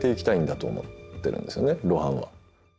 露伴は。